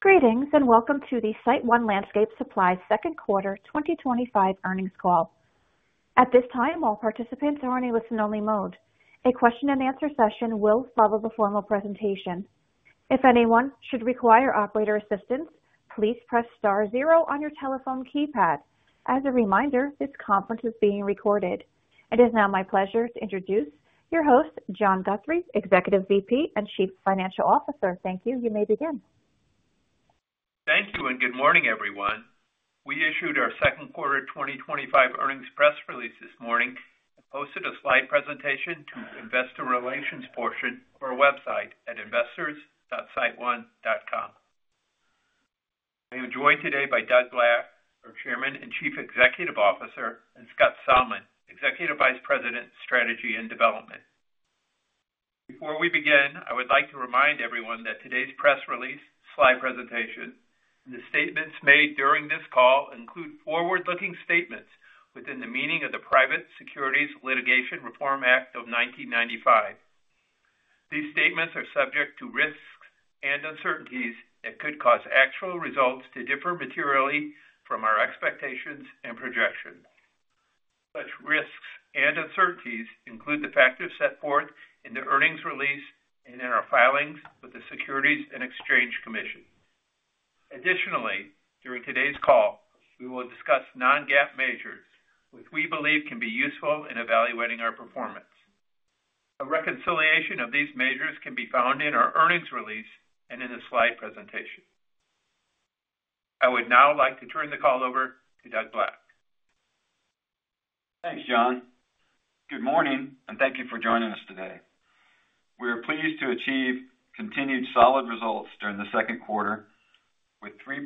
Greetings and welcome to the SiteOne Landscape Supply econd quarter 2025 earnings call. At this time, all participants are in a listen-only mode. A question and answer session will follow the formal presentation. If anyone should require operator assistance, please press star zero on your telephone keypad. As a reminder, this conference is being recorded. It is now my pleasure to introduce your host, John Guthrie, Executive VP and Chief Financial Officer. Thank you. You may begin. Thank you and good morning, everyone. We issued our second quarter 2025 earnings press release this morning and posted a slide presentation to the investor relations portion of our website at investors.siteone.com. I am joined today by Doug Black, our Chairman and Chief Executive Officer, and Scott Salmon, Executive Vice President, Strategy and Development. Before we begin, I would like to remind everyone that today's press release, slide presentation, and the statements made during this call include forward-looking statements within the meaning of the Private Securities Litigation Reform Act of 1995. These statements are subject to risks and uncertainties that could cause actual results to differ materially from our expectations and projections. Such risks and uncertainties include the factors set forth in the earnings release and in our filings with the Securities and Exchange Commission. Additionally, during today's call, we will discuss non-GAAP measures, which we believe can be useful in evaluating our performance. A reconciliation of these measures can be found in our earnings release and in the slide presentation. I would now like to turn the call over to Doug Black. Thanks, John. Good morning and thank you for joining us today. We are pleased to achieve continued solid results during the second quarter, with 3%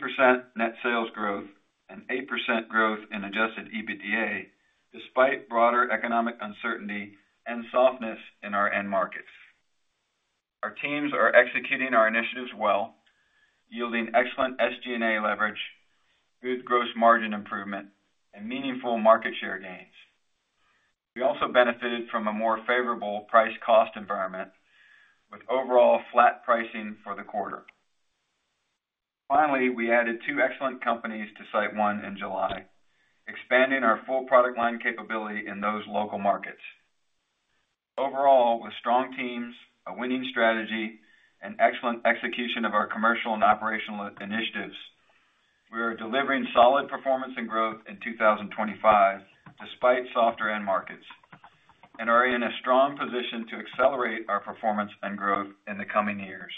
net sales growth and 8% growth in Adjusted EBITDA, despite broader economic uncertainty and softness in our end markets. Our teams are executing our initiatives well, yielding excellent SG&A leverage, good gross margin improvement, and meaningful market share gains. We also benefited from a more favorable price-cost environment, with overall flat pricing for the quarter. Finally, we added two excellent companies to SiteOne in July, expanding our full product line capability in those local markets. Overall, with strong teams, a winning strategy, and excellent execution of our commercial and operational initiatives, we are delivering solid performance and growth in 2025, despite softer end markets, and are in a strong position to accelerate our performance and growth in the coming years.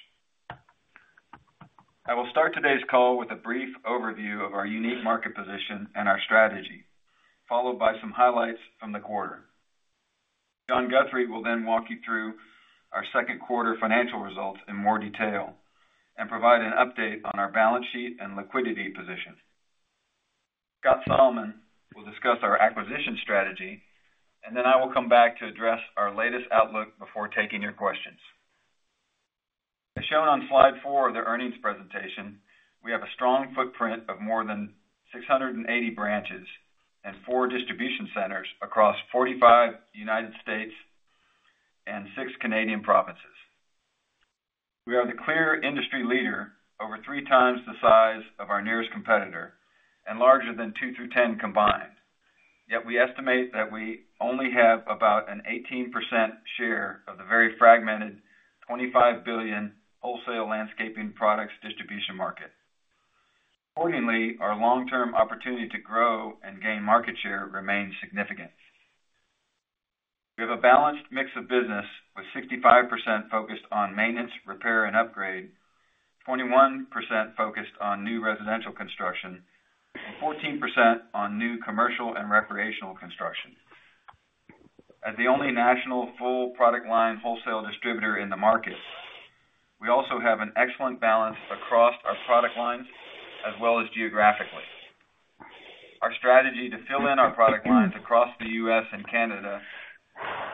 I will start today's call with a brief overview of our unique market position and our strategy, followed by some highlights from the quarter. John Guthrie will then walk you through our second quarter financial results in more detail and provide an update on our balance sheet and liquidity position. Scott Salmon will discuss our acquisition strategy, and then I will come back to address our latest outlook before taking your questions. As shown on slide four of the earnings presentation, we have a strong footprint of more than 680 branches and four distribution centers across 45 United States and six Canadian provinces. We are the clear industry leader, over three times the size of our nearest competitor and larger than two through 10 combined. Yet, we estimate that we only have about an 18% share of the very fragmented $25 billion wholesale landscaping products distribution market. Accordingly, our long-term opportunity to grow and gain market share remains significant. We have a balanced mix of business, with 65% focused on maintenance, repair, and upgrade, 21% focused on new residential construction, and 14% on new commercial and recreational construction. As the only national full product line wholesale distributor in the market, we also have an excellent balance across our product lines as well as geographically. Our strategy to fill in our product lines across the U.S. and Canada,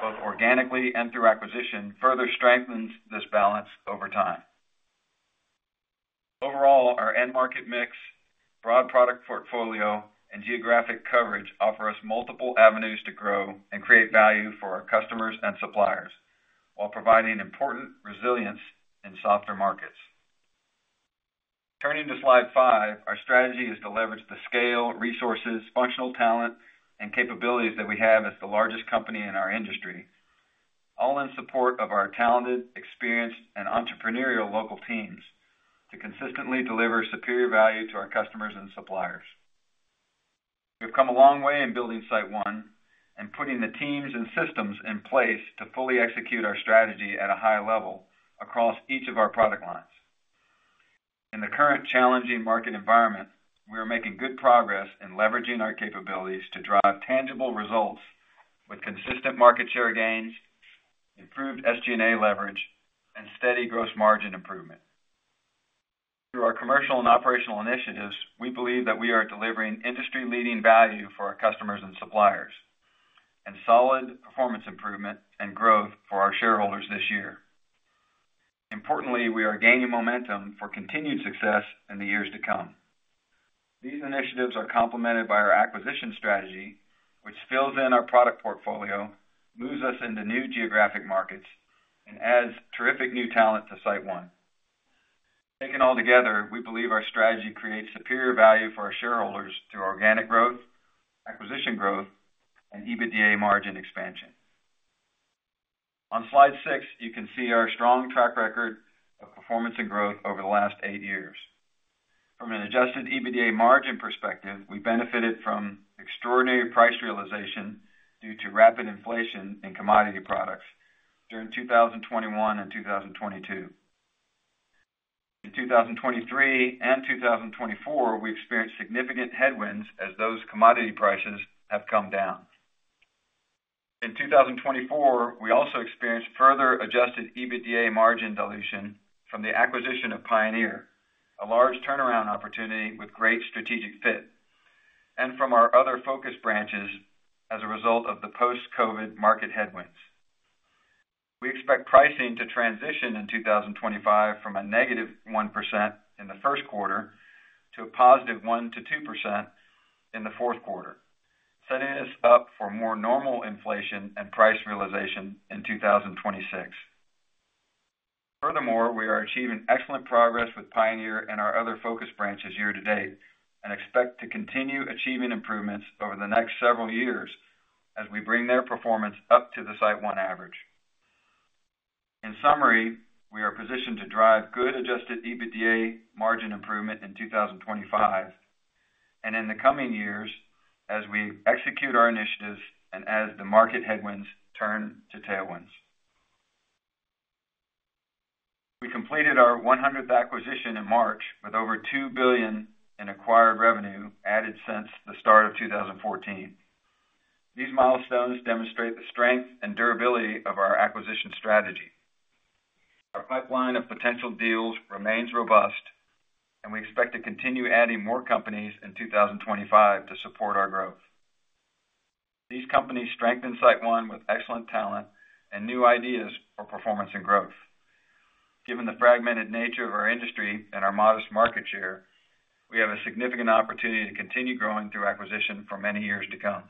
both organically and through acquisition, further strengthens this balance over time. Overall, our end market mix, broad product portfolio, and geographic coverage offer us multiple avenues to grow and create value for our customers and suppliers while providing important resilience in softer markets. Turning to slide five, our strategy is to leverage the scale, resources, functional talent, and capabilities that we have as the largest company in our industry, all in support of our talented, experienced, and entrepreneurial local teams to consistently deliver superior value to our customers and suppliers. We have come a long way in building SiteOne and putting the teams and systems in place to fully execute our strategy at a high level across each of our product lines. In the current challenging market environment, we are making good progress in leveraging our capabilities to drive tangible results with consistent market share gains, improved SG&A leverage, and steady gross margin improvement. Through our commercial and operational initiatives, we believe that we are delivering industry-leading value for our customers and suppliers and solid performance improvement and growth for our shareholders this year. Importantly, we are gaining momentum for continued success in the years to come. These initiatives are complemented by our acquisition strategy, which fills in our product portfolio, moves us into new geographic markets, and adds terrific new talent to SiteOne. Taken all together, we believe our strategy creates superior value for our shareholders through organic growth, acquisition growth, and EBITDA margin expansion. On slide six, you can see our strong track record of performance and growth over the last eight years. From an Adjusted EBITDA margin perspective, we benefited from extraordinary price realization due to rapid inflation in commodity products during 2021 and 2022. In 2023 and 2024, we experienced significant headwinds as those commodity prices have come down. In 2024, we also experienced further Adjusted EBITDA margin dilution from the acquisition of Pioneer, a large turnaround opportunity with great strategic fit, and from our other focus branches as a result of the post-COVID market headwinds. We expect pricing to transition in 2025 from a -1% in the first quarter to a positive 1%-2% in the fourth quarter, setting us up for more normal inflation and price realization in 2026. Furthermore, we are achieving excellent progress with Pioneer and our other focus branches year to date and expect to continue achieving improvements over the next several years as we bring their performance up to the SiteOne average. In summary, we are positioned to drive good Adjusted EBITDA margin improvement in 2025 and in the coming years as we execute our initiatives and as the market headwinds turn to tailwinds. We completed our 100th acquisition in March with over $2 billion in acquired revenue added since the start of 2014. These milestones demonstrate the strength and durability of our acquisition strategy. Our pipeline of potential deals remains robust, and we expect to continue adding more companies in 2025 to support our growth. These companies strengthen SiteOne with excellent talent and new ideas for performance and growth. Given the fragmented nature of our industry and our modest market share, we have a significant opportunity to continue growing through acquisition for many years to come.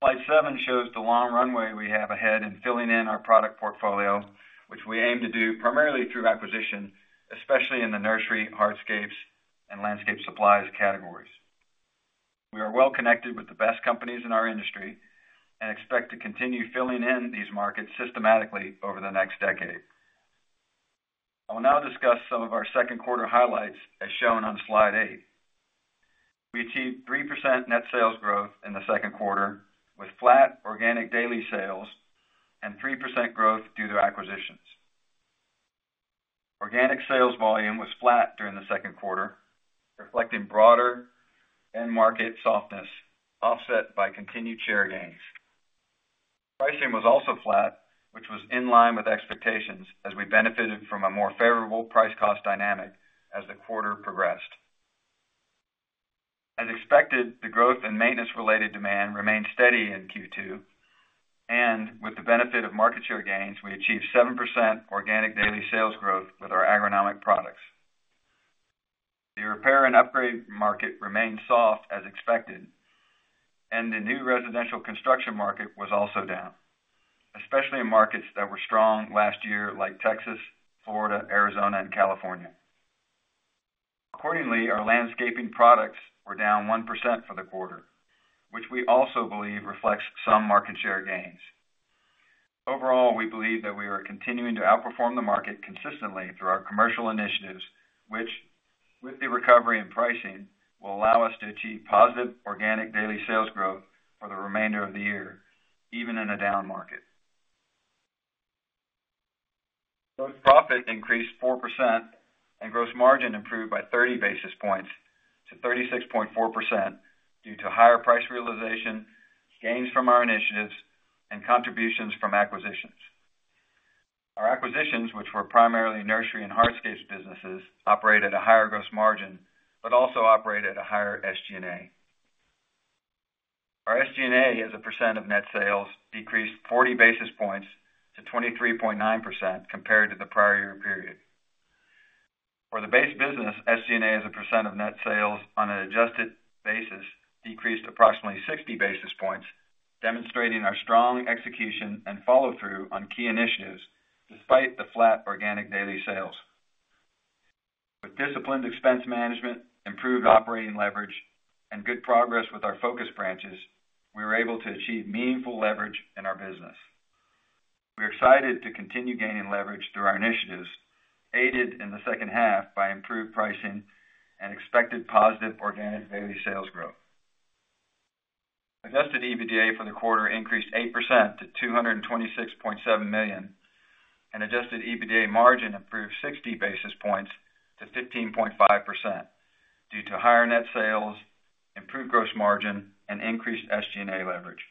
Slide seven shows the long runway we have ahead in filling in our product portfolio, which we aim to do primarily through acquisition, especially in the nursery, hardscapes, and landscape supplies categories. We are well connected with the best companies in our industry and expect to continue filling in these markets systematically over the next decade. I will now discuss some of our second quarter highlights, as shown on slide eight. We achieved 3% net sales growth in the second quarter, with flat organic daily sales and 3% growth due to acquisitions. Organic sales volume was flat during the second quarter, reflecting broader end market softness offset by continued share gains. Pricing was also flat, which was in line with expectations as we benefited from a more favorable price-cost dynamic as the quarter progressed. As expected, the growth in maintenance-related demand remained steady in Q2, and with the benefit of market share gains, we achieved 7% organic daily sales growth with our agronomic products. The repair and upgrade market remained soft as expected, and the new residential construction market was also down, especially in markets that were strong last year, like Texas, Florida, Arizona, and California. Accordingly, our landscaping products were down 1% for the quarter, which we also believe reflects some market share gains. Overall, we believe that we are continuing to outperform the market consistently through our commercial initiatives, which, with the recovery in pricing, will allow us to achieve positive organic daily sales growth for the remainder of the year, even in a down market. Gross profit increased 4% and gross margin improved by 30 basis points to 36.4% due to higher price realization, gains from our initiatives, and contributions from acquisitions. Our acquisitions, which were primarily nursery and hardscapes businesses, operated at a higher gross margin but also operated at a higher SG&A. Our SG&A as a percent of net sales decreased 40 basis points to 23.9% compared to the prior year period. For the base business, SG&A as a percent of net sales on an adjusted basis decreased approximately 60 basis points, demonstrating our strong execution and follow-through on key initiatives despite the flat organic daily sales. With disciplined expense management, improved operating leverage, and good progress with our focus branches, we were able to achieve meaningful leverage in our business. We are excited to continue gaining leverage through our initiatives, aided in the second half by improved pricing and expected positive organic daily sales growth. Adjusted EBITDA for the quarter increased 8% to $226.7 million, and Adjusted EBITDA margin improved 60 basis points to 15.5% due to higher net sales, improved gross margin, and increased SG&A leverage.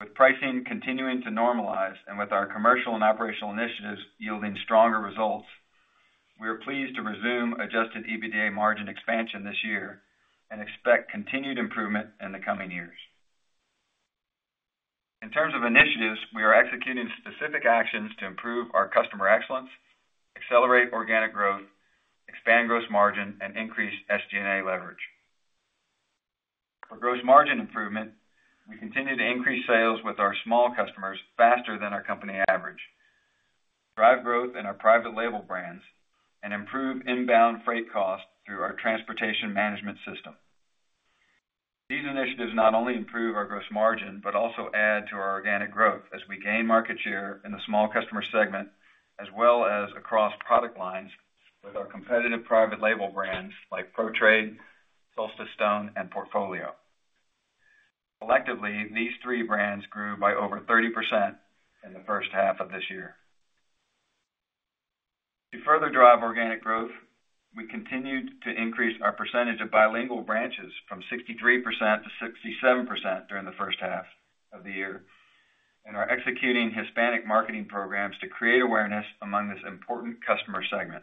With pricing continuing to normalize and with our commercial and operational initiatives yielding stronger results, we are pleased to resume Adjusted EBITDA margin expansion this year and expect continued improvement in the coming years. In terms of initiatives, we are executing specific actions to improve our customer excellence, accelerate organic growth, expand gross margin, and increase SG&A leverage. For gross margin improvement, we continue to increase sales with our small customers faster than our company average, drive growth in our private label brands, and improve inbound freight costs through our transportation management system. These initiatives not only improve our gross margin but also add to our organic growth as we gain market share in the small customer segment as well as across product lines with our competitive private label brands like ProTrade, Solstice Stone, and Portfolio. Collectively, these three brands grew by over 30% in the first half of this year. To further drive organic growth, we continued to increase our percentage of bilingual branches from 63% to 67% during the first half of the year and are executing Hispanic marketing programs to create awareness among this important customer segment.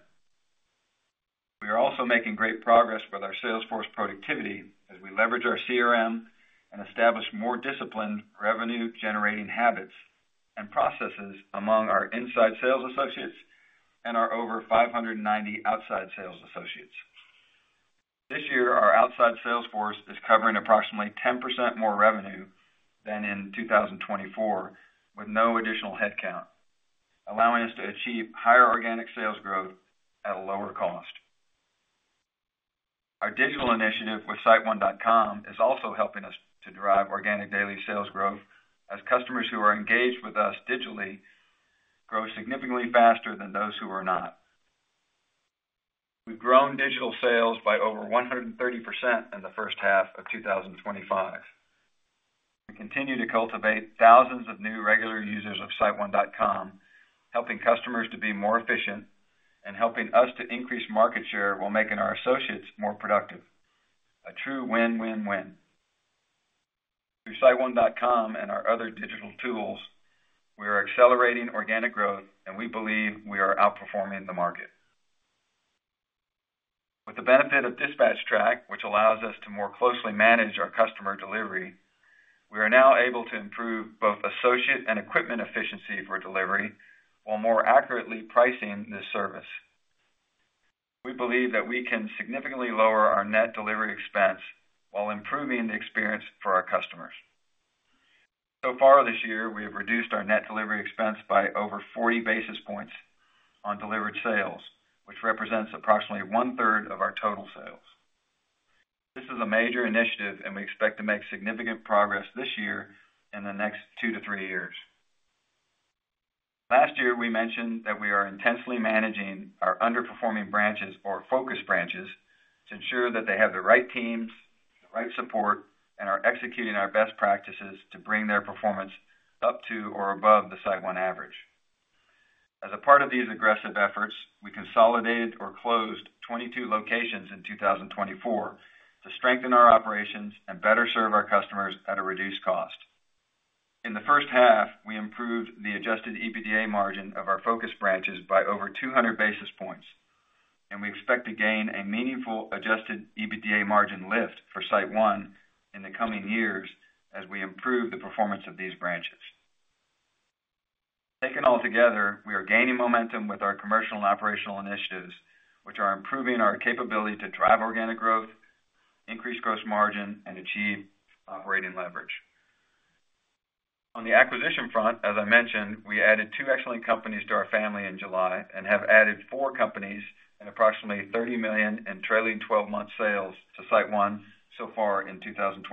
We are also making great progress with our sales force productivity as we leverage our CRM and establish more disciplined revenue-generating habits and processes among our inside sales associates and our over 590 outside sales associates. This year, our outside sales force is covering approximately 10% more revenue than in 2024 with no additional headcount, allowing us to achieve higher organic sales growth at a lower cost. Our digital initiative with siteone.com is also helping us to drive organic daily sales growth as customers who are engaged with us digitally grow significantly faster than those who are not. We've grown digital sales by over 130% in the first half of 2025. We continue to cultivate thousands of new regular users of siteone.com, helping customers to be more efficient and helping us to increase market share while making our associates more productive, a true win-win-win. Through siteone.com and our other digital tools, we are accelerating organic growth, and we believe we are outperforming the market. With the benefit of DispatchTrack, which allows us to more closely manage our customer delivery, we are now able to improve both associate and equipment efficiency for delivery while more accurately pricing this service. We believe that we can significantly lower our net delivery expense while improving the experience for our customers. So far this year, we have reduced our net delivery expense by over 40 basis points on delivered sales, which represents approximately one-third of our total sales. This is a major initiative, and we expect to make significant progress this year and the next two to three years. Last year, we mentioned that we are intensely managing our underperforming branches or focus branches to ensure that they have the right teams, the right support, and are executing our best practices to bring their performance up to or above the SiteOne average. As a part of these aggressive efforts, we consolidated or closed 22 locations in 2024 to strengthen our operations and better serve our customers at a reduced cost. In the first half, we improved the Adjusted EBITDA margin of our focus branches by over 200 basis points, and we expect to gain a meaningful Adjusted EBITDA margin lift for SiteOne in the coming years as we improve the performance of these branches. Taken all together, we are gaining momentum with our commercial and operational initiatives, which are improving our capability to drive organic growth, increase gross margin, and achieve operating leverage. On the acquisition front, as I mentioned, we added two excellent companies to our family in July and have added four companies and approximately $30 million in trailing 12-month sales to SiteOne so far in 2025.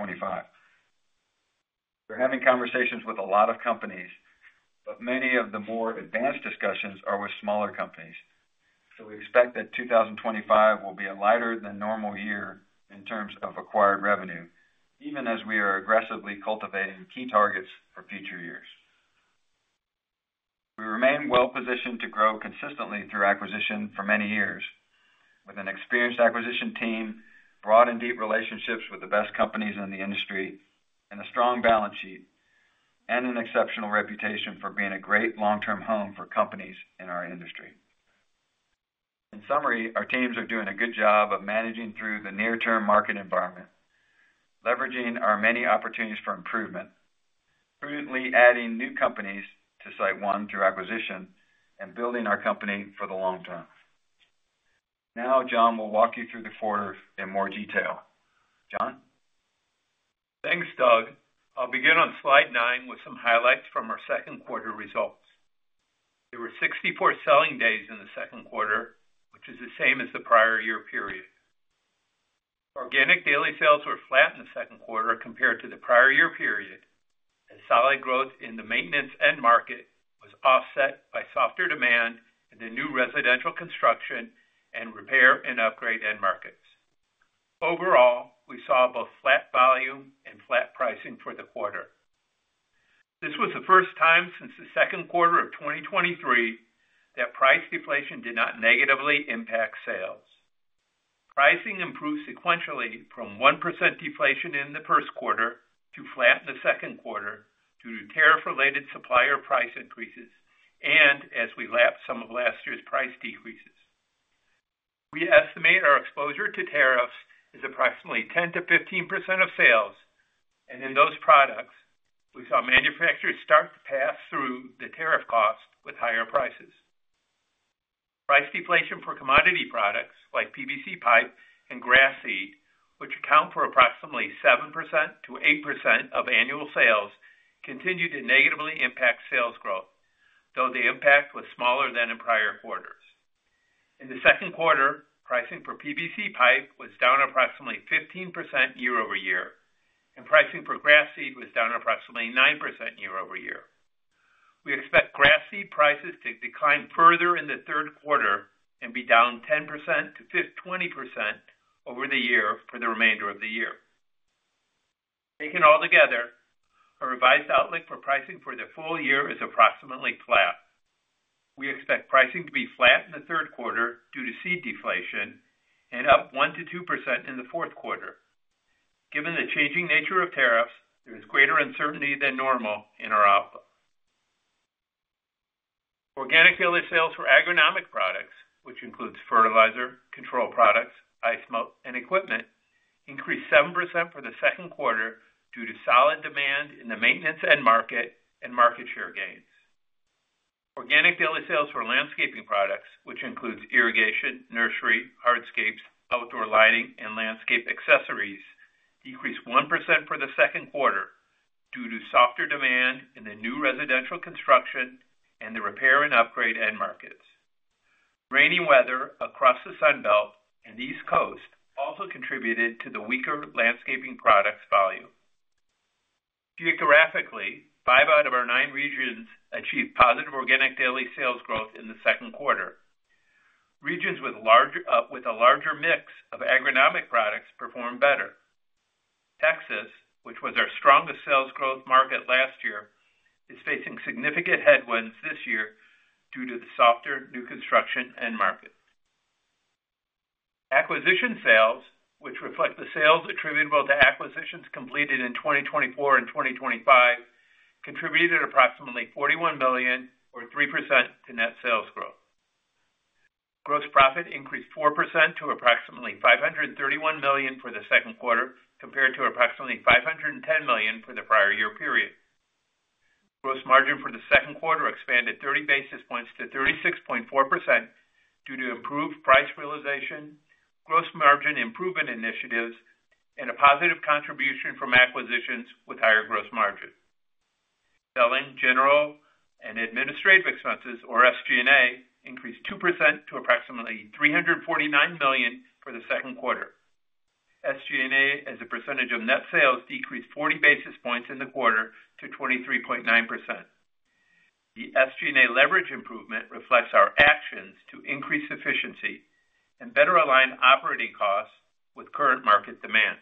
We are having conversations with a lot of companies, but many of the more advanced discussions are with smaller companies. We expect that 2025 will be a lighter than normal year in terms of acquired revenue, even as we are aggressively cultivating key targets for future years. We remain well-positioned to grow consistently through acquisition for many years, with an experienced acquisition team, broad and deep relationships with the best companies in the industry, a strong balance sheet, and an exceptional reputation for being a great long-term home for companies in our industry. In summary, our teams are doing a good job of managing through the near-term market environment, leveraging our many opportunities for improvement, prudently adding new companies to SiteOne through acquisition, and building our company for the long term. Now, John will walk you through the quarter in more detail. John? Thanks, Doug. I'll begin on slide nine with some highlights from our second quarter results. There were 64 selling days in the second quarter, which is the same as the prior year period. Organic daily sales were flat in the second quarter compared to the prior year period, as solid growth in the maintenance end market was offset by softer demand in the new residential construction and repair and upgrade end markets. Overall, we saw both flat volume and flat pricing for the quarter. This was the first time since the second quarter of 2023 that price deflation did not negatively impact sales. Pricing improved sequentially from 1% deflation in the first quarter to flat in the second quarter due to tariff-related supplier price increases and as we lapped some of last year's price decreases. We estimate our exposure to tariffs is approximately 10% to 15% of sales, and in those products, we saw manufacturers start to pass through the tariff cost with higher prices. Price deflation for commodity products like PVC pipe and grass seed, which account for approximately 7% to 8% of annual sales, continued to negatively impact sales growth, though the impact was smaller than in prior quarters. In the second quarter, pricing for PVC pipe was down approximately 15% year-over-year, and pricing for grass seed was down approximately 9% year-over year. We expect grass seed prices to decline further in the third quarter and be down 10% to 20% over the year for the remainder of the year. Taken all together, our revised outlook for pricing for the full year is approximately flat. We expect pricing to be flat in the third quarter due to seed deflation and up 1% to 2% in the fourth quarter. Given the changing nature of tariffs, there is greater uncertainty than normal in our outlook. Organic daily sales for agronomic products, which includes fertilizer, control products, ice mold, and equipment, increased 7% for the second quarter due to solid demand in the maintenance end market and market share gains. Organic daily sales for landscaping products, which includes irrigation, nursery, hardscapes, outdoor lighting, and landscape accessories, decreased 1% for the second quarter due to softer demand in the new residential construction and the repair and upgrade end markets. Rainy weather across the Sun Belt and East Coast also contributed to the weaker landscaping products' volume. Geographically, five out of our nine regions achieved positive organic daily sales growth in the second quarter. Regions with a larger mix of agronomic products performed better. Texas, which was our strongest sales growth market last year, is facing significant headwinds this year due to the softer new construction end market. Acquisition sales, which reflect the sales attributable to acquisitions completed in 2024 and 2025, contributed approximately $41 million or 3% to net sales growth. Gross profit increased 4% to approximately $531 million for the second quarter compared to approximately $510 million for the prior year period. Gross margin for the second quarter expanded 30 basis points to 36.4% due to improved price realization, gross margin improvement initiatives, and a positive contribution from acquisitions with higher gross margin. Selling, general and administrative expenses, or SG&A, increased 2% to approximately $349 million for the second quarter. SG&A, as a percentage of net sales, decreased 40 basis points in the quarter to 23.9%. The SG&A leverage improvement reflects our actions to increase efficiency and better align operating costs with current market demand.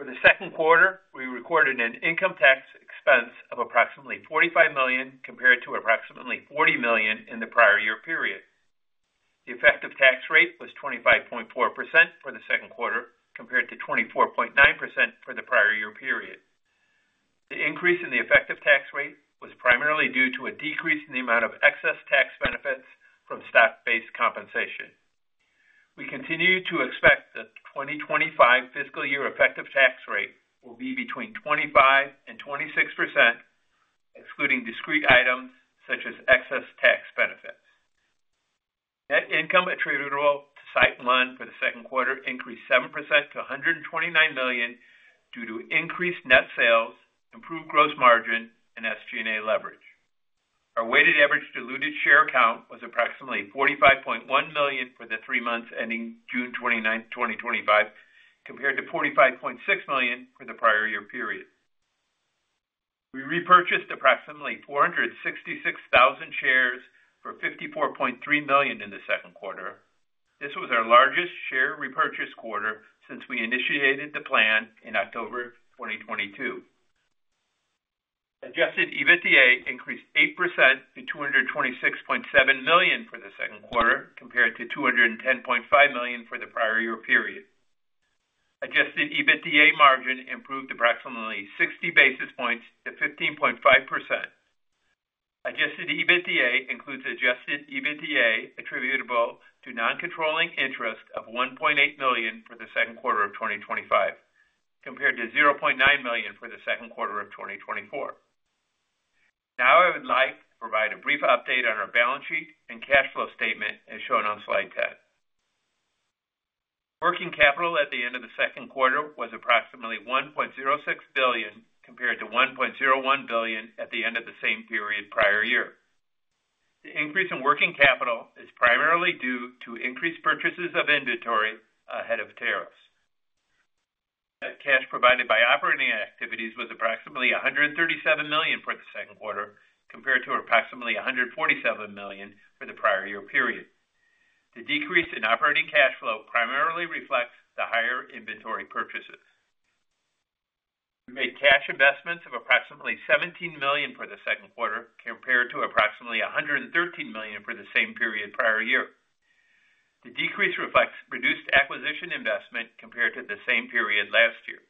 For the second quarter, we recorded an income tax expense of approximately $45 million compared to approximately $40 million in the prior year period. The effective tax rate was 25.4% for the second quarter compared to 24.9% for the prior year period. The increase in the effective tax rate was primarily due to a decrease in the amount of excess tax benefits from stock-based compensation. We continue to expect the 2025 fiscal year effective tax rate will be between 25% and 26%, excluding discrete items such as excess tax benefits. Net income attributable to SiteOne for the second quarter increased 7% to $129 million due to increased net sales, improved gross margin, and SG&A leverage. Our weighted average diluted share count was approximately 45.1 million for the three months ending June 29, 2025, compared to 45.6 million for the prior year period. We repurchased approximately 466,000 shares for $54.3 million in the second quarter. This was our largest share repurchase quarter since we initiated the plan in October 2022. Adjusted EBITDA increased 8% to $226.7 million for the second quarter compared to $210.5 million for the prior year period. Adjusted EBITDA margin improved approximately 60 basis points to 15.5%. Adjusted EBITDA includes Adjusted EBITDA attributable to non-controlling interest of $1.8 million for the second quarter of 2025 compared to $0.9 million for the second quarter of 2024. Now I would like to provide a brief update on our balance sheet and cash flow statement as shown on slide 10. Working capital at the end of the second quarter was approximately $1.06 billion compared to $1.01 billion at the end of the same period prior year. The increase in working capital is primarily due to increased purchases of inventory ahead of tariffs. Net cash provided by operating activities was approximately $137 million for the second quarter compared to approximately $147 million for the prior year period. The decrease in operating cash flow primarily reflects the higher inventory purchases. We made cash investments of approximately $17 million for the second quarter compared to approximately $113 million for the same period prior year. The decrease reflects reduced acquisition investment compared to the same period last year.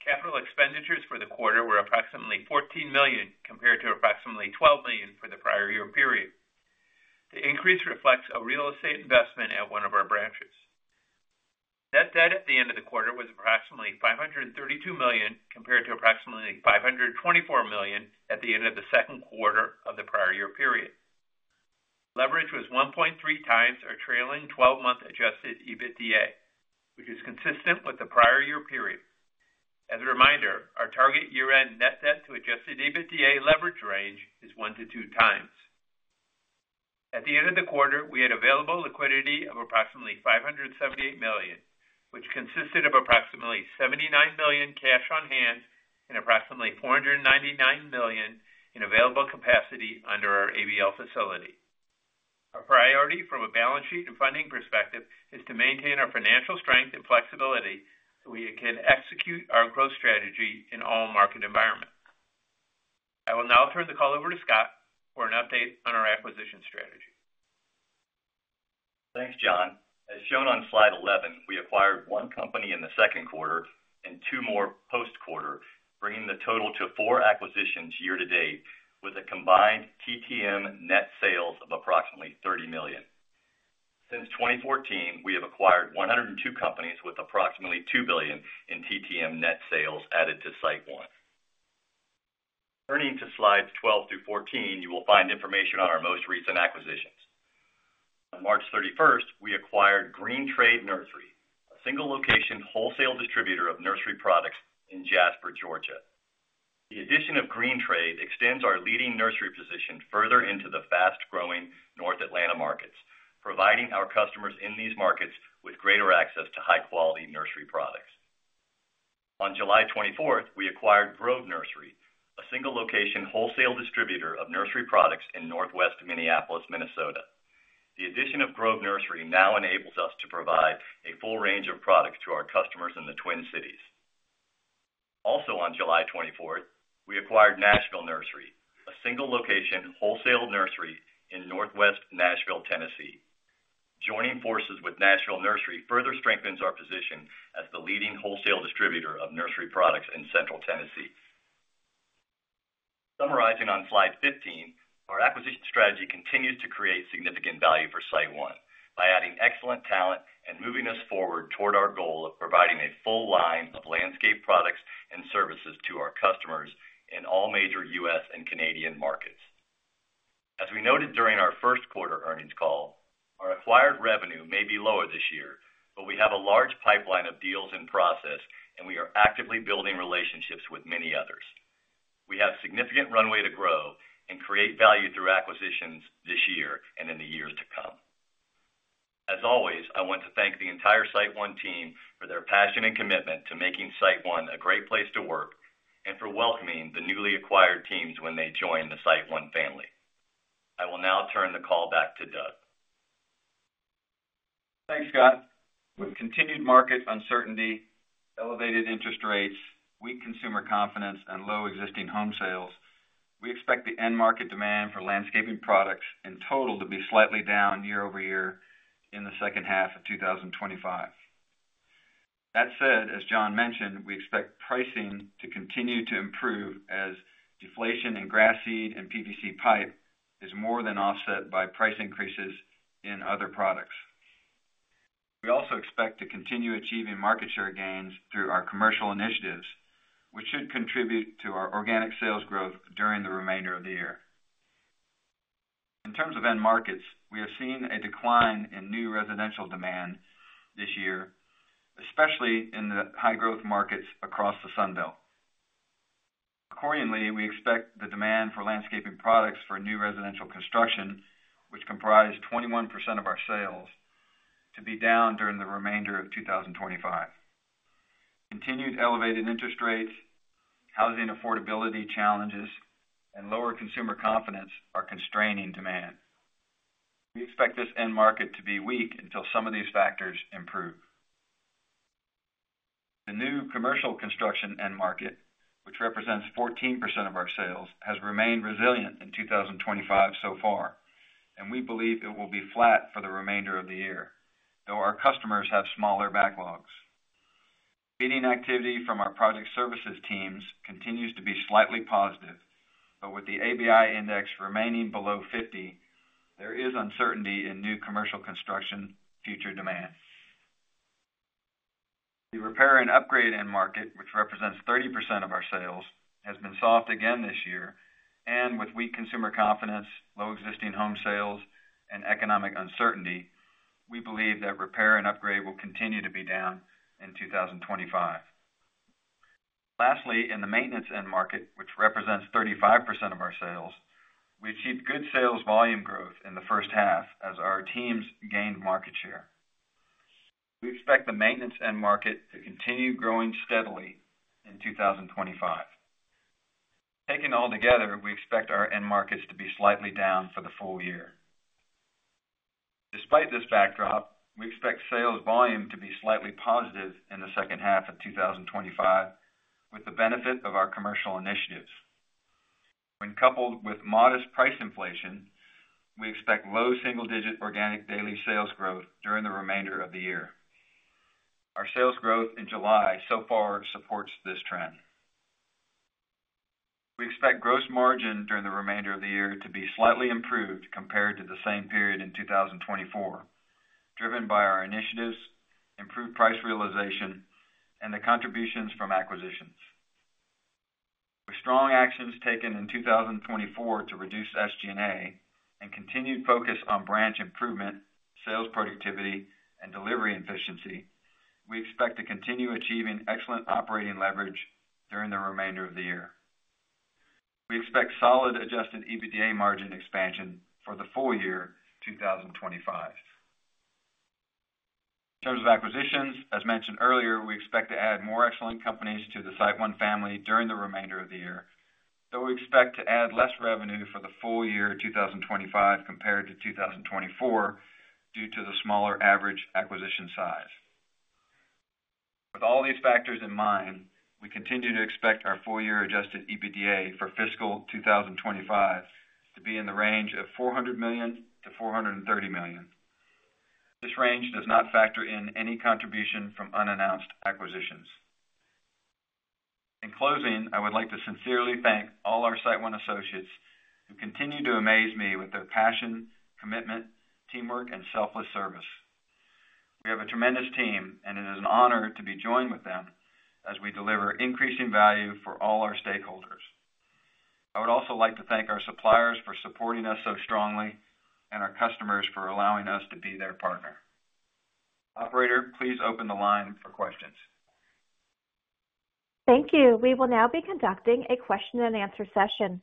Capital expenditures for the quarter were approximately $14 million compared to approximately $12 million for the prior year period. The increase reflects a real estate investment at one of our branches. Net debt at the end of the quarter was approximately $532 million compared to approximately $524 million at the end of the second quarter of the prior year period. Leverage was 1.3x our trailing 12-month Adjusted EBITDA, which is consistent with the prior year period. As a reminder, our target year-end net debt to Adjusted EBITDA leverage range is one to two times. At the end of the quarter, we had available liquidity of approximately $578 million, which consisted of approximately $79 million cash on hand and approximately $499 million in available capacity under our ABL facility. Our priority from a balance sheet and funding perspective is to maintain our financial strength and flexibility so we can execute our growth strategy in all market environments. I will now turn the call over to Scott for an update on our acquisition strategy. Thanks, John. As shown on slide 11, we acquired one company in the second quarter and two more post-quarter, bringing the total to four acquisitions year to date with a combined TTM net sales of approximately $30 million. Since 2014, we have acquired 102 companies with approximately $2 billion in TTM net sales added to SiteOne. Turning to slides 12 through 14, you will find information on our most recent acquisitions. On March 31, we acquired GreenTrade Nursery, a single location wholesale distributor of nursery products in Jasper, Georgia. The addition of GreenTrade extends our leading nursery position further into the fast-growing North Atlanta markets, providing our customers in these markets with greater access to high-quality nursery products. On July 24, we acquired Grove Nursery, a single location wholesale distributor of nursery products in Northwest Minneapolis, Minnesota. The addition of Grove Nursery now enables us to provide a full range of products to our customers in the Twin Cities. Also, on July 24, we acquired Nashville Nursery, a single location wholesale nursery in Northwest Nashville, Tennessee. Joining forces with Nashville Nursery further strengthens our position as the leading wholesale distributor of nursery products in Central Tennessee. Summarizing on slide 15, our acquisition strategy continues to create significant value for SiteOne by adding excellent talent and moving us forward toward our goal of providing a full line of landscape products and services to our customers in all major U.S. and Canadian markets. As we noted during our first quarter earnings call, our acquired revenue may be lower this year, but we have a large pipeline of deals in process, and we are actively building relationships with many others. We have significant runway to grow and create value through acquisitions this year and in the years to come. As always, I want to thank the entire SiteOne team for their passion and commitment to making SiteOne a great place to work and for welcoming the newly acquired teams when they join the SiteOne family. I will now turn the call back to Doug. Thanks, Scott. With continued market uncertainty, elevated interest rates, weak consumer confidence, and low existing home sales, we expect the end market demand for landscaping products in total to be slightly down year over year in the second half of 2025. That said, as John mentioned, we expect pricing to continue to improve as deflation in grass seed and PVC pipe is more than offset by price increases in other products. We also expect to continue achieving market share gains through our commercial initiatives, which should contribute to our organic sales growth during the remainder of the year. In terms of end markets, we have seen a decline in new residential demand this year, especially in the high-growth markets across the Sun Belt. Accordingly, we expect the demand for landscaping products for new residential construction, which comprise 21% of our sales, to be down during the remainder of 2025. Continued elevated interest rates, housing affordability challenges, and lower consumer confidence are constraining demand. We expect this end market to be weak until some of these factors improve. The new commercial construction end market, which represents 14% of our sales, has remained resilient in 2025 so far, and we believe it will be flat for the remainder of the year, though our customers have smaller backlogs. Bidding activity from our project services teams continues to be slightly positive, but with the ABI index remaining below 50, there is uncertainty in new commercial construction future demand. The repair and upgrade end market, which represents 30% of our sales, has been soft again this year, and with weak consumer confidence, low existing home sales, and economic uncertainty, we believe that repair and upgrade will continue to be down in 2025. Lastly, in the maintenance end market, which represents 35% of our sales, we achieved good sales volume growth in the first half as our teams gained market share. We expect the maintenance end market to continue growing steadily in 2025. Taken all together, we expect our end markets to be slightly down for the full year. Despite this backdrop, we expect sales volume to be slightly positive in the second half of 2025 with the benefit of our commercial initiatives. When coupled with modest price inflation, we expect low single-digit organic daily sales growth during the remainder of the year. Our sales growth in July so far supports this trend. We expect gross margin during the remainder of the year to be slightly improved compared to the same period in 2024, driven by our initiatives, improved price realization, and the contributions from acquisitions. With strong actions taken in 2024 to reduce SG&A and continued focus on branch improvement, sales productivity, and delivery efficiency, we expect to continue achieving excellent operating leverage during the remainder of the year. We expect solid Adjusted EBITDA margin expansion for the full year 2025. In terms of acquisitions, as mentioned earlier, we expect to add more excellent companies to the SiteOne family during the remainder of the year, though we expect to add less revenue for the full year 2025 compared to 2024 due to the smaller average acquisition size. With all these factors in mind, we continue to expect our full-year Adjusted EBITDA for fiscal 2025 to be in the range of $400 million-$430 million. This range does not factor in any contribution from unannounced acquisitions. In closing, I would like to sincerely thank all our SiteOne associates who continue to amaze me with their passion, commitment, teamwork, and selfless service. We have a tremendous team, and it is an honor to be joined with them as we deliver increasing value for all our stakeholders. I would also like to thank our suppliers for supporting us so strongly and our customers for allowing us to be their partner. Operator, please open the line for questions. Thank you. We will now be conducting a question and answer session.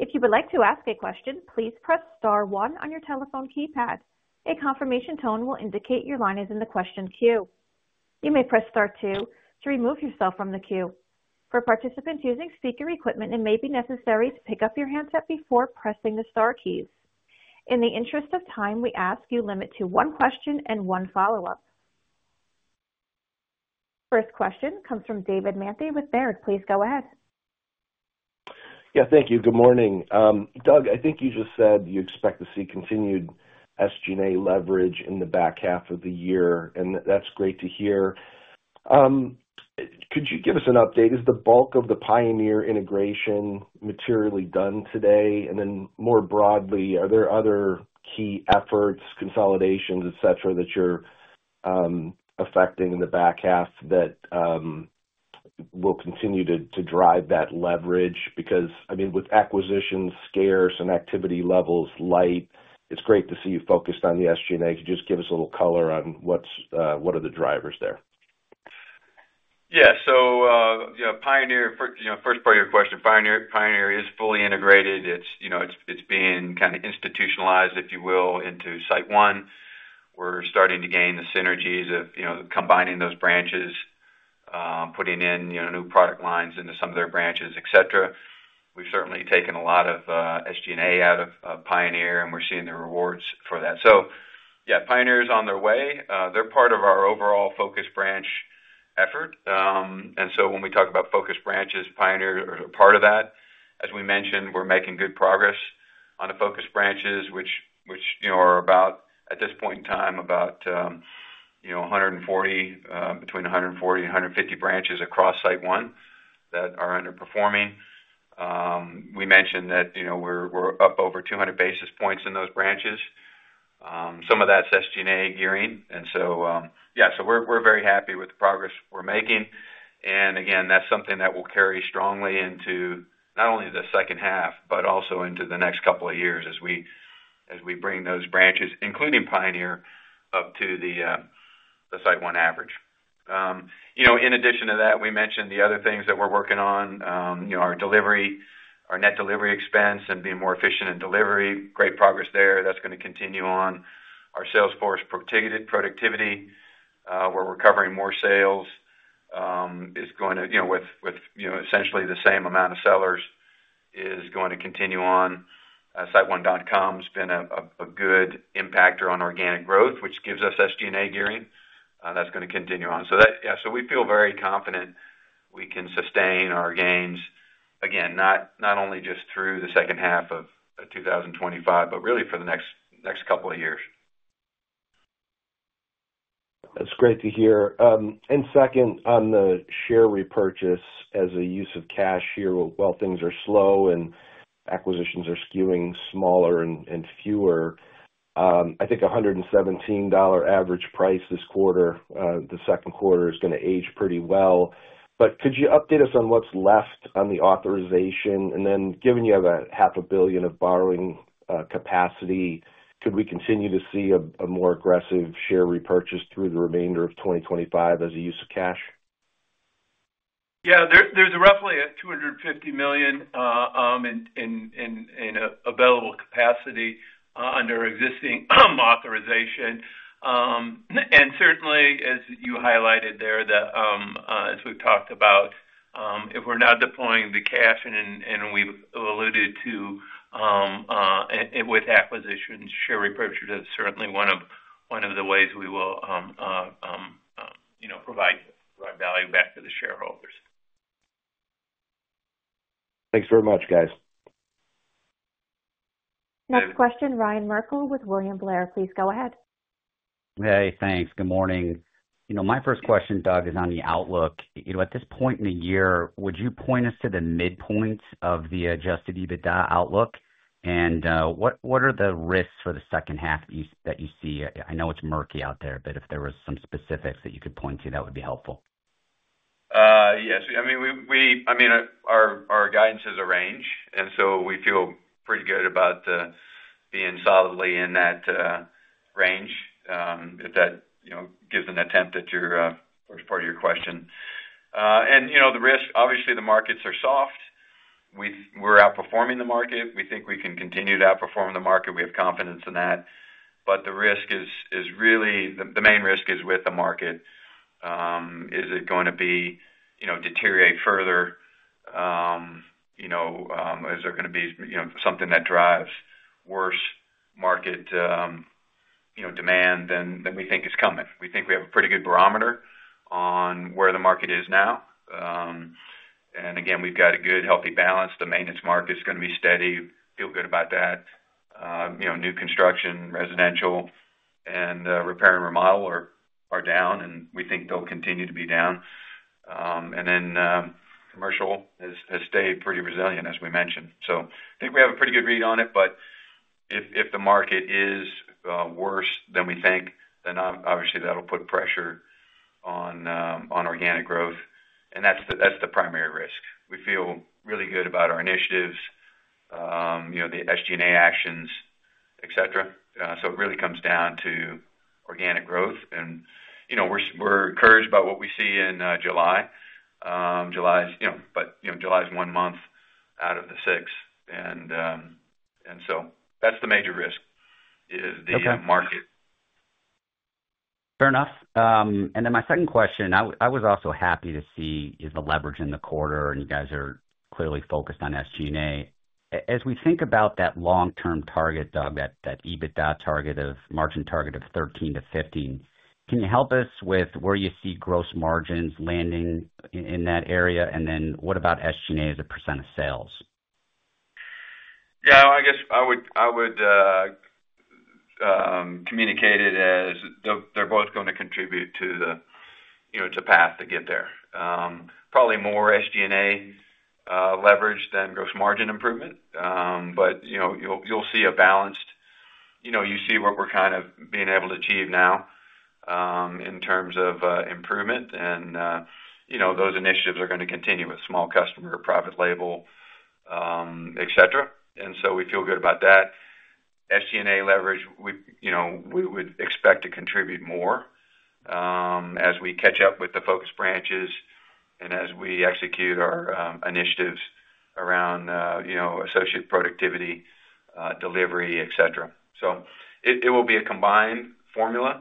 If you would like to ask a question, please press star one on your telephone keypad. A confirmation tone will indicate your line is in the question queue. You may press star two to remove yourself from the queue. For participants using speaker equipment, it may be necessary to pick up your handset before pressing the star keys. In the interest of time, we ask you to limit to one question and one follow-up. First question comes from David Manthey with Baird. Please go ahead. Yeah, thank you. Good morning. Doug, I think you just said you expect to see continued SG&A leverage in the back half of the year, and that's great to hear. Could you give us an update? Is the bulk of the Pioneer integration materially done today? More broadly, are there other key efforts, consolidations, et cetera, that you're affecting in the back half that will continue to drive that leverage? Because I mean, with acquisitions scarce and activity levels light, it's great to see you focused on the SG&A. Could you just give us a little color on what are the drivers there? Yeah. First part of your question, Pioneer is fully integrated. It's being kind of institutionalized, if you will, into SiteOne. We're starting to gain the synergies of combining those branches, putting in new product lines into some of their branches, et cetera. We've certainly taken a lot of SG&A out of Pioneer, and we're seeing the rewards for that. Pioneer is on their way. They're part of our overall focus branch effort. When we talk about focus branches, Pioneer is a part of that. As we mentioned, we're making good progress on the focus branches, which are about, at this point in time, about between 140 and 150 branches across SiteOne that are underperforming. We mentioned that we're up over 200 basis points in those branches. Some of that's SG&A gearing. We're very happy with the progress we're making. That's something that will carry strongly into not only the second half, but also into the next couple of years as we bring those branches, including Pioneer, up to the SiteOne average. In addition to that, we mentioned the other things that we're working on, our delivery, our net delivery expense, and being more efficient in delivery. Great progress there. That's going to continue on. Our sales force ticketed productivity, where we're recovering more sales, is going to, with essentially the same amount of sellers, continue on. siteone.com has been a good impactor on organic growth, which gives us SG&A gearing. That's going to continue on. We feel very confident we can sustain our gains, again, not only just through the second half of 2025, but really for the next couple of years. That's great to hear. Second, on the share repurchase as a use of cash here, while things are slow and acquisitions are skewing smaller and fewer, I think $117 average price this quarter, the second quarter, is going to age pretty well. Could you update us on what's left on the authorization? Given you have a half a billion of borrowing capacity, could we continue to see a more aggressive share repurchase through the remainder of 2025 as a use of cash? Yeah, there's roughly $250 million in available capacity under existing authorization. Certainly, as you highlighted there, as we've talked about, if we're not deploying the cash, and we've alluded to with acquisitions, share repurchase is certainly one of the ways we will provide value back to the shareholders. Thanks very much, guys. Next question, Ryan Merkel with William Blair. Please go ahead. Hey, thanks. Good morning. My first question, Doug, is on the outlook. At this point in the year, would you point us to the midpoint of the Adjusted EBITDA outlook? What are the risks for the second half that you see? I know it's murky out there, but if there were some specifics that you could point to, that would be helpful. Yes. I mean, our guidance is a range, and we feel pretty good about being solidly in that range. If that gives an attempt at your first part of your question. The risk, obviously, is the markets are soft. We're outperforming the market. We think we can continue to outperform the market. We have confidence in that. The risk is really, the main risk is with the market. Is it going to deteriorate further? Is there going to be something that drives worse market demand than we think is coming? We think we have a pretty good barometer on where the market is now. We've got a good, healthy balance. The maintenance market is going to be steady. Feel good about that. New construction, residential, and repair and remodel are down, and we think they'll continue to be down. Commercial has stayed pretty resilient, as we mentioned. I think we have a pretty good read on it, but if the market is worse than we think, then obviously that'll put pressure on organic growth. That's the primary risk. We feel really good about our initiatives, the SG&A actions, et cetera. It really comes down to organic growth. We're encouraged by what we see in July, but July is one month out of the six. That's the major risk, the market. Fair enough. My second question, I was also happy to see the leverage in the quarter, and you guys are clearly focused on SG&A. As we think about that long-term target, Doug, that EBITDA target of margin target of 13% to 15%, can you help us with where you see gross margins landing in that area? What about SG&A as a percent of sales? Yeah, I guess I would communicate it as they're both going to contribute to the, you know, it's a path to get there. Probably more SG&A leverage than gross margin improvement. You know, you'll see a balanced, you know, you see what we're kind of being able to achieve now in terms of improvement. Those initiatives are going to continue with small customer, private label, et cetera. We feel good about that. SG&A leverage, we would expect to contribute more as we catch up with the focus branches and as we execute our initiatives around, you know, associate productivity, delivery, et cetera. It will be a combined formula,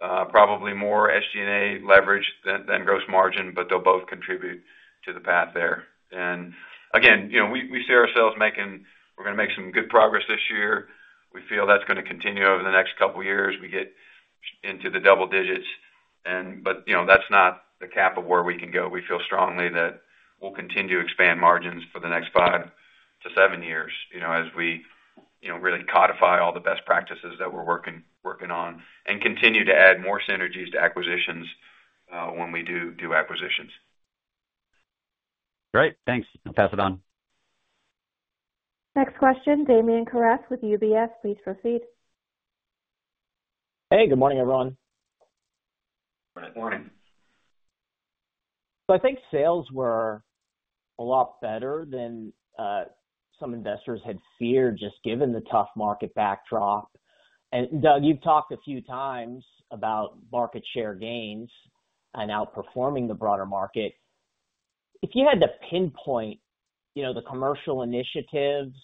probably more SG&A leverage than gross margin, but they'll both contribute to the path there. Again, you know, we see ourselves making, we're going to make some good progress this year. We feel that's going to continue over the next couple of years. We get into the double digits. You know, that's not the cap of where we can go. We feel strongly that we'll continue to expand margins for the next five to seven years, you know, as we really codify all the best practices that we're working on and continue to add more synergies to acquisitions when we do acquisitions. Great, thanks. I'll pass it on. Next question, Damian Karas with UBS. Please proceed. Hey, good morning, everyone. Morning. Good morning. I think sales were a lot better than some investors had feared, just given the tough market backdrop. Doug, you've talked a few times about market share gains and outperforming the broader market. If you had to pinpoint the commercial initiatives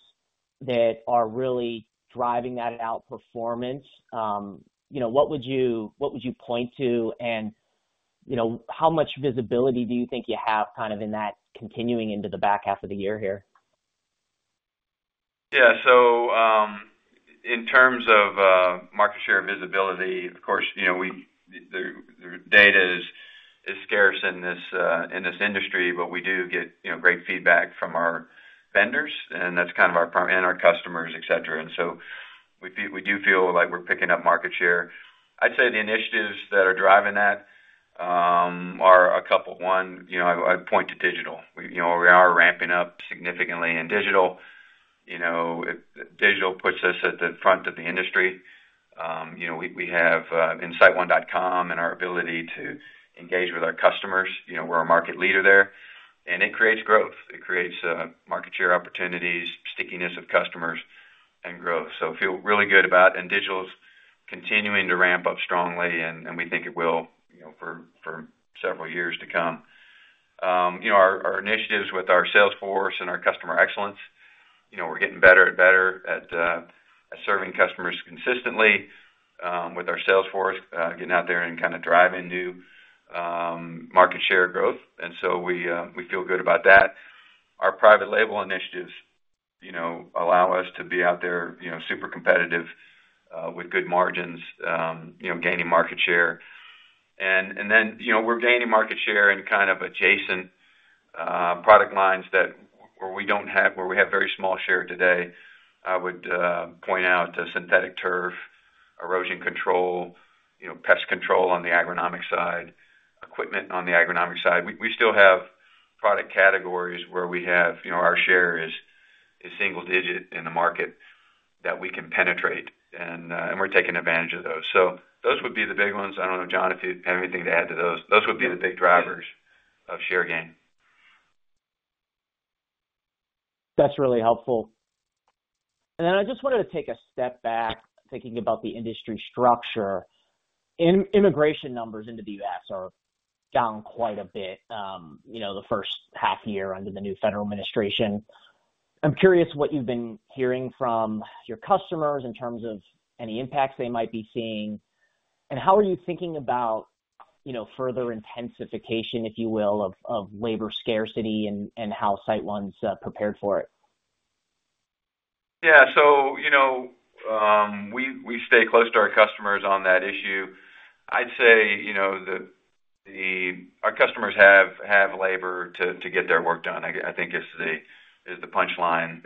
that are really driving that outperformance, what would you point to? How much visibility do you think you have in that continuing into the back half of the year here? Yeah. In terms of market share visibility, of course, the data is scarce in this industry, but we do get great feedback from our vendors, and that's kind of our primary, and our customers, et cetera. We do feel like we're picking up market share. I'd say the initiatives that are driving that are a couple. One, I'd point to digital. We are ramping up significantly in digital. Digital puts us at the front of the industry. We have siteone.com and our ability to engage with our customers, we're a market leader there. It creates growth, market share opportunities, stickiness of customers, and growth. I feel really good about it, and digital is continuing to ramp up strongly, and we think it will for several years to come. Our initiatives with our sales force and our customer excellence, we're getting better and better at serving customers consistently with our sales force getting out there and driving new market share growth. We feel good about that. Our private label initiatives allow us to be out there, super competitive with good margins, gaining market share. We're gaining market share in adjacent product lines where we have very small share today. I would point out synthetic turf, erosion control, pest control on the agronomic side, equipment on the agronomic side. We still have product categories where our share is single-digit in the market that we can penetrate, and we're taking advantage of those. Those would be the big ones. I don't know, John, if you have anything to add to those. Those would be the big drivers of share gain. That's really helpful. I just wanted to take a step back thinking about the industry structure. Immigration numbers into the U.S. are down quite a bit, you know, the first half year under the new federal administration. I'm curious what you've been hearing from your customers in terms of any impacts they might be seeing. How are you thinking about, you know, further intensification, if you will, of labor scarcity and how SiteOne's prepared for it? Yeah. We stay close to our customers on that issue. I'd say our customers have labor to get their work done, I think, is the punchline.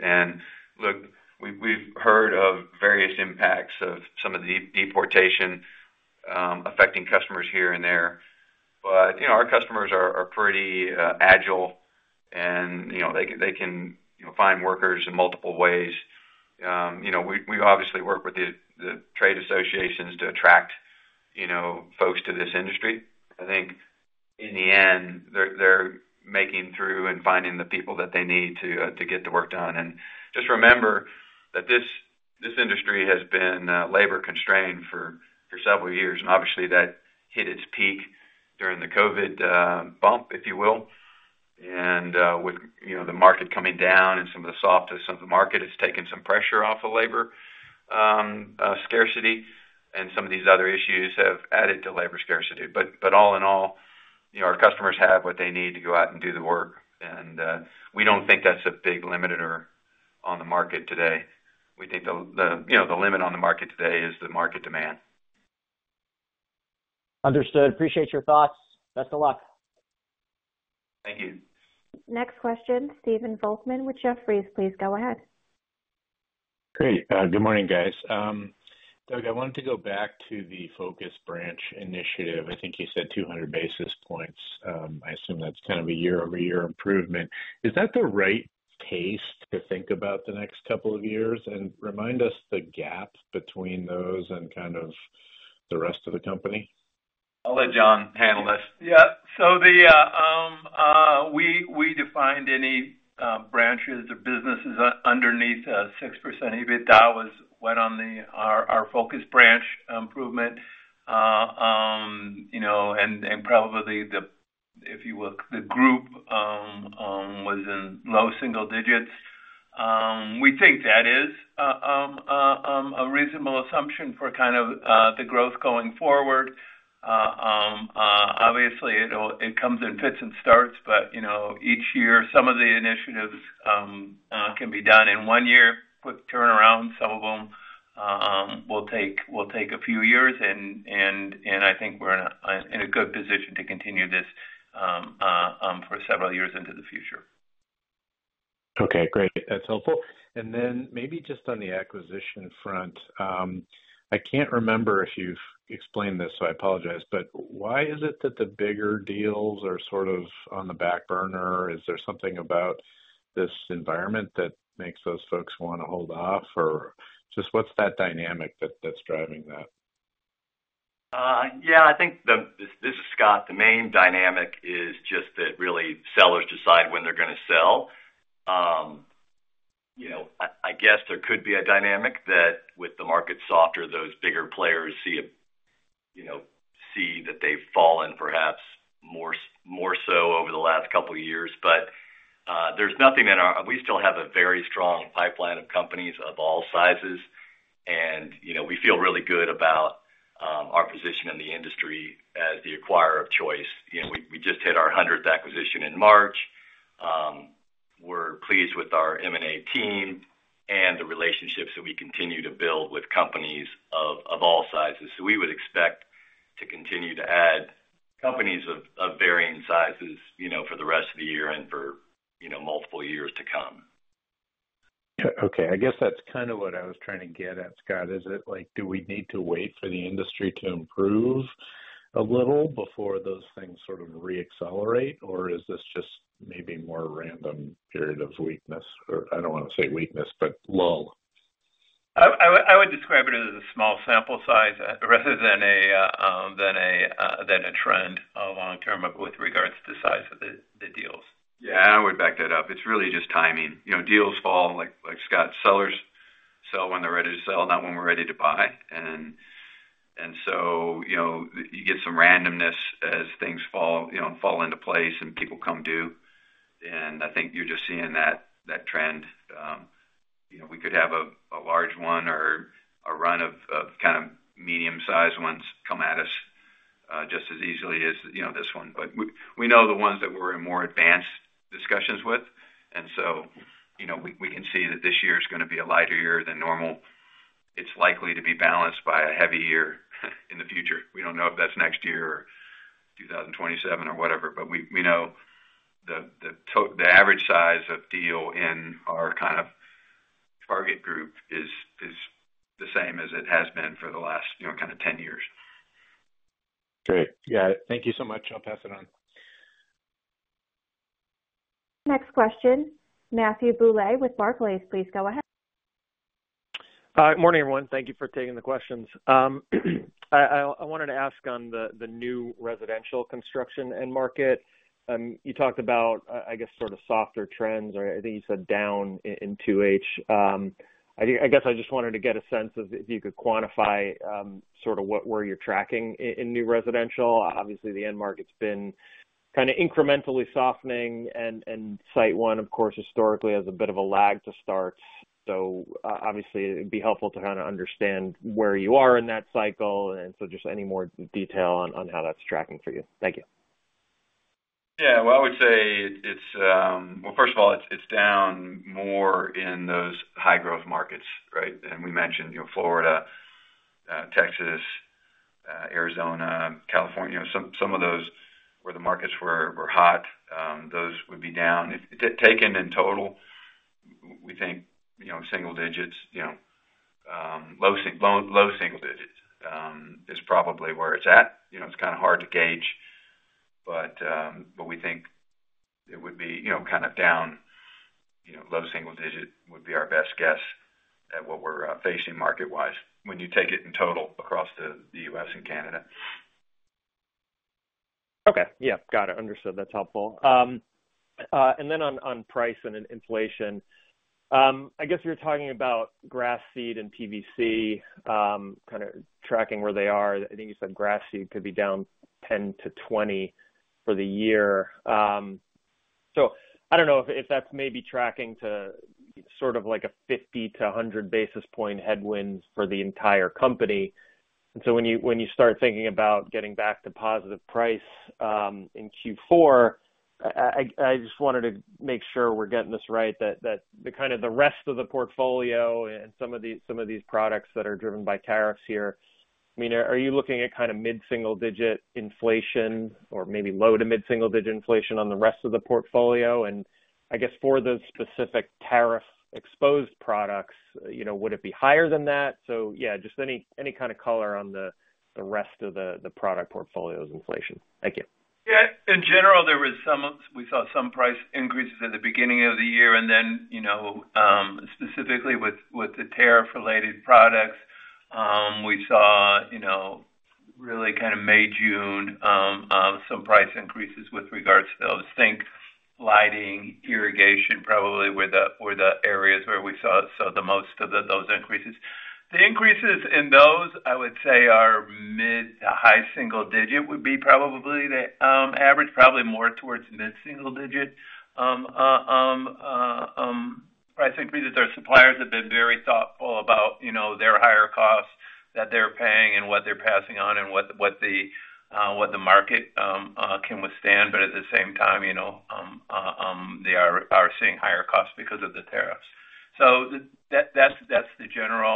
Look, we've heard of various impacts of some of the deportation affecting customers here and there. Our customers are pretty agile, and they can find workers in multiple ways. We obviously work with the trade associations to attract folks to this industry. I think in the end, they're making through and finding the people that they need to get the work done. Just remember that this industry has been labor-constrained for several years, and obviously, that hit its peak during the COVID bump, if you will. With the market coming down and some of the softness of the market, it's taken some pressure off of labor scarcity. Some of these other issues have added to labor scarcity. All in all, our customers have what they need to go out and do the work. We don't think that's a big limit on the market today. We think the limit on the market today is the market demand. Understood. Appreciate your thoughts. Best of luck. Thank you. Next question, Stephen Volkmann with Jefferies. Please go ahead. Great. Good morning, guys. Doug, I wanted to go back to the focus branch initiative. I think you said 200 basis points. I assume that's kind of a year-over-year improvement. Is that the right pace to think about the next couple of years? Remind us the gap between those and kind of the rest of the company. I'll let John handle this. Yeah. We defined any branches or businesses underneath 6% EBITDA as what is on our focus branch improvement. Probably, if you will, the group was in low single digits. We think that is a reasonable assumption for kind of the growth going forward. Obviously, it comes in fits and starts, but each year, some of the initiatives can be done in one year, quick turnaround. Some of them will take a few years. I think we're in a good position to continue this for several years into the future. Okay. Great. That's helpful. Maybe just on the acquisition front, I can't remember if you've explained this, so I apologize, but why is it that the bigger deals are sort of on the back burner? Is there something about this environment that makes those folks want to hold off? What's that dynamic that's driving that? Yeah. I think this is Scott. The main dynamic is just that really sellers decide when they're going to sell. I guess there could be a dynamic that with the market softer, those bigger players see that they've fallen perhaps more so over the last couple of years. There's nothing in our, we still have a very strong pipeline of companies of all sizes. We feel really good about our position in the industry as the acquirer of choice. We just hit our 100th acquisition in March. We're pleased with our M&A team and the relationships that we continue to build with companies of all sizes. We would expect to continue to add companies of varying sizes for the rest of the year and for multiple years to come. Okay. I guess that's kind of what I was trying to get at, Scott. Is it like, do we need to wait for the industry to improve a little before those things sort of re-accelerate, or is this just maybe more a random period of weakness? I don't want to say weakness, but lull. I would describe it as a small sample size rather than a trend long term with regards to the size of the deals. Yeah, I would back that up. It's really just timing. Deals fall like Scott. Sellers sell when they're ready to sell, not when we're ready to buy. You get some randomness as things fall into place and people come due. I think you're just seeing that trend. We could have a large one or a run of kind of medium-sized ones come at us just as easily as this one. We know the ones that we're in more advanced discussions with, and we can see that this year is going to be a lighter year than normal. It's likely to be balanced by a heavy year in the future. We don't know if that's next year or 2027 or whatever, but we know the average size of deal in our kind of target group is the same as it has been for the last 10 years. Great. Thank you so much. I'll pass it on. Next question, Matthew Bouley with Barclays. Please go ahead. Morning, everyone. Thank you for taking the questions. I wanted to ask on the new residential construction end market. You talked about, I guess, sort of softer trends, or I think you said down in 2H. I just wanted to get a sense of if you could quantify sort of what you're tracking in new residential. Obviously, the end market's been kind of incrementally softening. SiteOne, of course, historically has a bit of a lag to start. It would be helpful to kind of understand where you are in that cycle. Just any more detail on how that's tracking for you. Thank you. I would say it's, first of all, it's down more in those high-growth markets, right? We mentioned Florida, Texas, Arizona, California, some of those where the markets were hot, those would be down. If it's taken in total, we think single digits, low single digits is probably where it's at. It's kind of hard to gauge, but we think it would be kind of down, low single digit would be our best guess at what we're facing market-wise when you take it in total across the U.S. and Canada. Okay. Got it. Understood. That's helpful. On price and inflation, I guess you're talking about grass seed and PVC kind of tracking where they are. I think you said grass seed could be down 10% to 20% for the year. I don't know if that's maybe tracking to sort of like a 50 to 100 basis point headwind for the entire company. When you start thinking about getting back to positive price in Q4, I just wanted to make sure we're getting this right, that kind of the rest of the portfolio and some of these products that are driven by tariffs here, I mean, are you looking at kind of mid-single-digit inflation or maybe low to mid-single-digit inflation on the rest of the portfolio? For those specific tariff-exposed products, would it be higher than that? Any kind of color on the rest of the product portfolio's inflation. Thank you. Yeah. In general, we saw some price increases at the beginning of the year. Specifically with the tariff-related products, we saw, really kind of May, June, some price increases with regards to those. Think lighting, irrigation probably were the areas where we saw the most of those increases. The increases in those, I would say, are mid to high single digit would be probably the average, probably more towards mid-single-digit price increases. Our suppliers have been very thoughtful about their higher costs that they're paying and what they're passing on and what the market can withstand. At the same time, they are seeing higher costs because of the tariffs. That's the general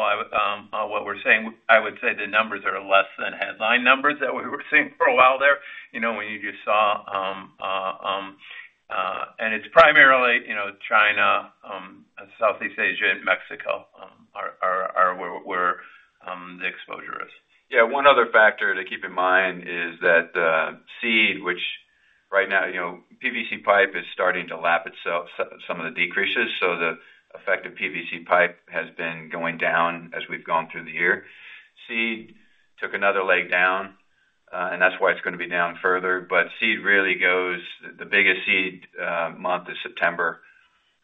what we're saying. I would say the numbers are less than headline numbers that we were seeing for a while there, when you just saw, and it's primarily China, Southeast Asia, and Mexico are where the exposure is. Yeah. One other factor to keep in mind is that seed, which right now, you know, PVC pipe is starting to lap itself, some of the decreases. The effect of PVC pipe has been going down as we've gone through the year. Seed took another leg down, and that's why it's going to be down further. Seed really goes, the biggest seed month is September.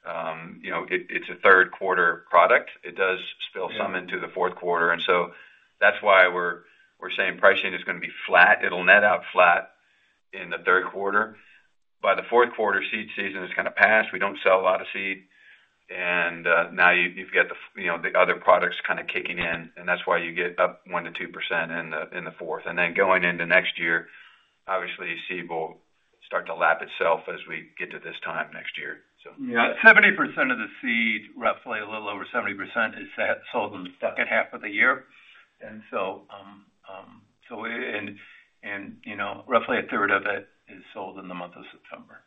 It's a third-quarter product. It does spill some into the fourth quarter. That's why we're saying pricing is going to be flat. It'll net out flat in the third quarter. By the fourth quarter, seed season is kind of passed. We don't sell a lot of seed. Now you've got the other products kind of kicking in. That's why you get up 1% to 2% in the fourth. Going into next year, obviously, seed will start to lap itself as we get to this time next year. Yeah, 70% of the seed, roughly a little over 70%, is sold in the second half of the year, and you know, roughly a third of it is sold in the month of September.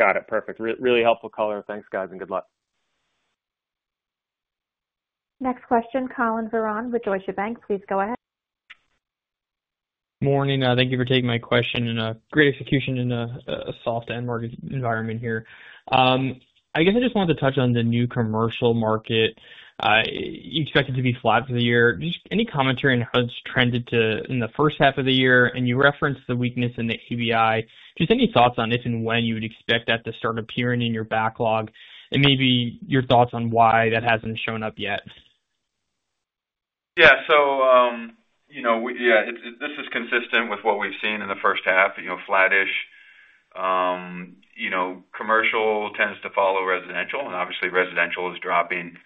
Got it. Perfect. Really helpful color. Thanks, guys, and good luck. Next question, Collin Vervon with Deutsche Bank. Please go ahead. Morning. Thank you for taking my question and great execution in a soft end market environment here. I guess I just wanted to touch on the new commercial market. You expect it to be flat for the year. Any commentary on how it's trended in the first half of the year? You referenced the weakness in the ABI. Any thoughts on if and when you would expect that to start appearing in your backlog and maybe your thoughts on why that hasn't shown up yet? Yeah. This is consistent with what we've seen in the first half, flattish. Commercial tends to follow residential, and obviously, residential is dropping.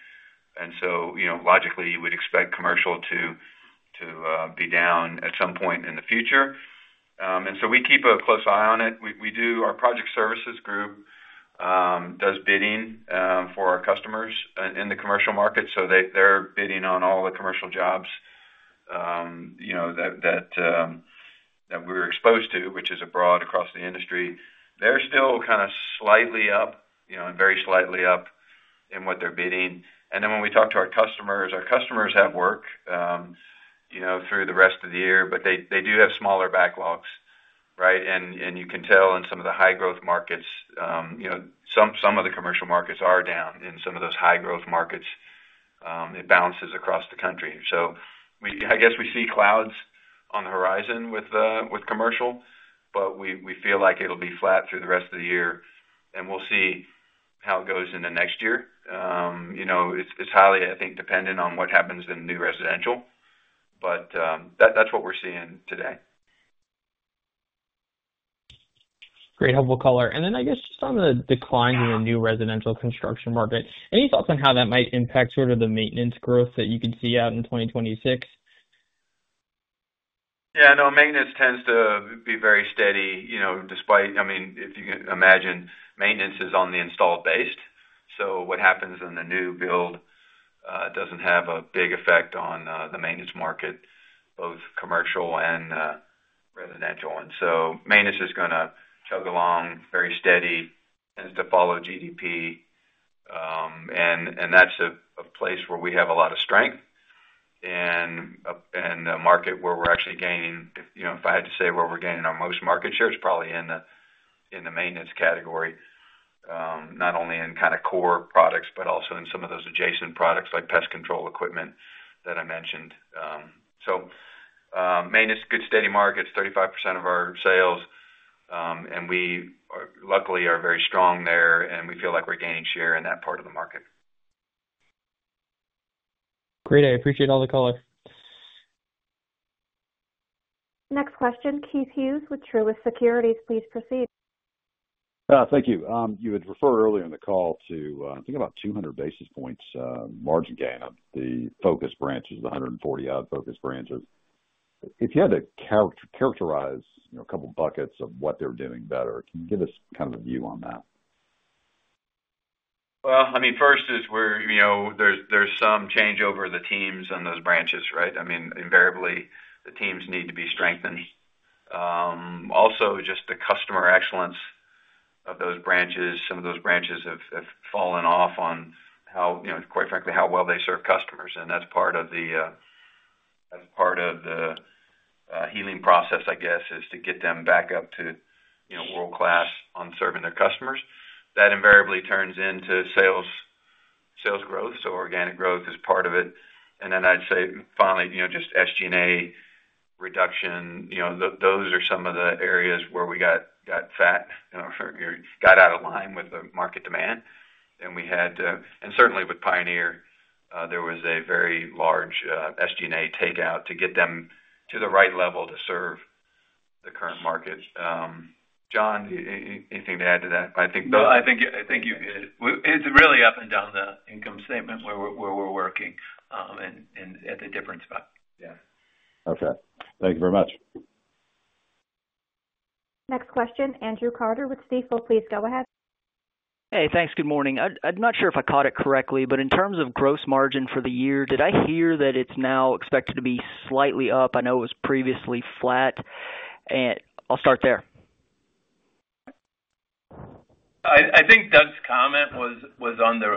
Logically, you would expect commercial to be down at some point in the future. We keep a close eye on it. Our project services group does bidding for our customers in the commercial market. They're bidding on all the commercial jobs that we're exposed to, which is broad across the industry. They're still kind of slightly up, and very slightly up in what they're bidding. When we talk to our customers, our customers have work through the rest of the year, but they do have smaller backlogs, right? You can tell in some of the high-growth markets, some of the commercial markets are down in some of those high-growth markets. It bounces across the country. We see clouds on the horizon with commercial, but we feel like it'll be flat through the rest of the year. We'll see how it goes into next year. It's highly, I think, dependent on what happens in the new residential. That's what we're seeing today. Great, helpful color. I guess just on the declines in the new residential construction market, any thoughts on how that might impact sort of the maintenance growth that you can see out in 2026? Yeah. No, maintenance tends to be very steady, you know, despite, I mean, if you can imagine, maintenance is on the installed base. What happens in the new build doesn't have a big effect on the maintenance market, both commercial and residential. Maintenance is going to chug along very steady, tends to follow GDP. That's a place where we have a lot of strength and a market where we're actually gaining, if you know, if I had to say where we're gaining our most market share, it's probably in the maintenance category, not only in kind of core products, but also in some of those adjacent products like pest control equipment that I mentioned. Maintenance is a good steady market, 35% of our sales, and we luckily are very strong there, and we feel like we're gaining share in that part of the market. Great, I appreciate all the color. Next question, Keith Hughes with Truist Securities. Please proceed. Thank you. You had referred earlier in the call to, I think, about 200 basis points margin gain of the focus branches, the 140-odd focus branches. If you had to characterize a couple of buckets of what they're doing better, can you give us kind of a view on that? First, there is some changeover of the teams in those branches, right? Invariably, the teams need to be strengthened. Also, just the customer excellence of those branches. Some of those branches have fallen off on how, quite frankly, how well they serve customers. That is part of the healing process, I guess, to get them back up to world-class on serving their customers. That invariably turns into sales growth. Organic growth is part of it. Finally, just SG&A reduction. Those are some of the areas where we got fat or got out of line with the market demand. Certainly with Pioneer, there was a very large SG&A takeout to get them to the right level to serve the current market. John, anything to add to that? I think. I think it's really up and down the income statement where we're working and at a different spot. Yeah. Okay, thank you very much. Next question, Andrew Carter with Baird, please go ahead. Hey, thanks. Good morning. I'm not sure if I caught it correctly, but in terms of gross margin for the year, did I hear that it's now expected to be slightly up? I know it was previously flat. I'll start there. I think Doug's comment was on the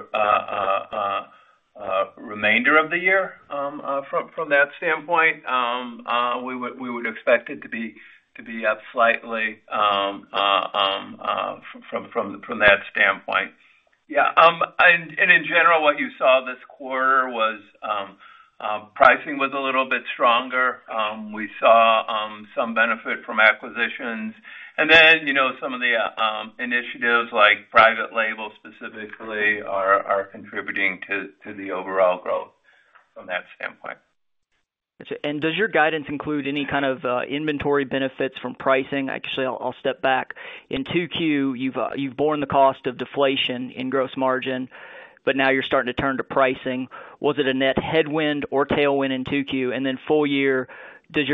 remainder of the year from that standpoint. We would expect it to be up slightly from that standpoint. In general, what you saw this quarter was pricing was a little bit stronger. We saw some benefit from acquisitions, and some of the initiatives like private label specifically are contributing to the overall growth from that standpoint. Gotcha. Does your guidance include any kind of inventory benefits from pricing? In 2Q, you've borne the cost of deflation in gross margin, but now you're starting to turn to pricing. Was it a net headwind or tailwind in 2Q? For the full year, does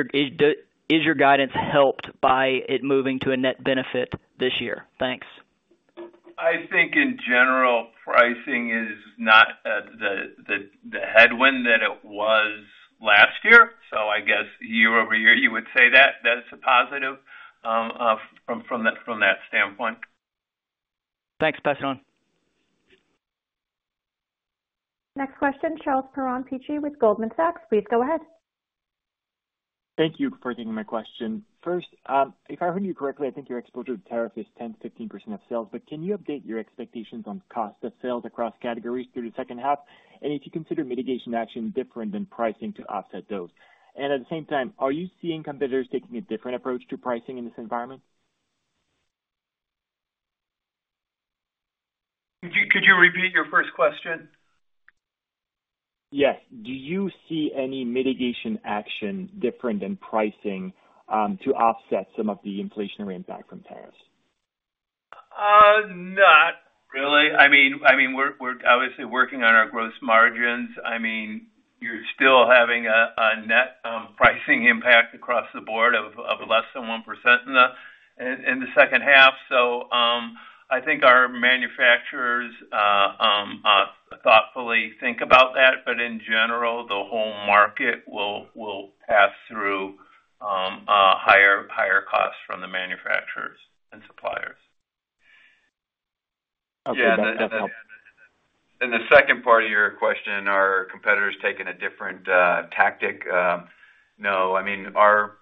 your guidance help by it moving to a net benefit this year? Thanks. I think in general, pricing is not the headwind that it was last year. I guess year-over-year, you would say that that's a positive from that standpoint. Thanks, pass it on. Next question, Charles Perron-Pich with Goldman Sachs. Please go ahead. Thank you for taking my question. First, if I heard you correctly, I think your exposure to tariff is 10% to 15% of sales, but can you update your expectations on cost of sales across categories through the second half? If you consider mitigation action different than pricing to offset those, at the same time, are you seeing competitors taking a different approach to pricing in this environment? Could you repeat your first question? Yes. Do you see any mitigation action different than pricing to offset some of the inflationary impact from tariffs? Not really. We're obviously working on our gross margins. You're still having a net pricing impact across the board of less than 1% in the second half. I think our manufacturers thoughtfully think about that. In general, the whole market will pass through higher costs from the manufacturers and suppliers. Okay. That's helpful. The second part of your question, are competitors taking a different tactic? No, I mean, our